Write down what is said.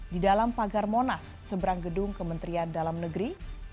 di dalam pagar monas seberang gedung kementerian dalam negeri